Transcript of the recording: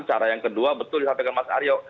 cara yang kedua betul disampaikan mas aryo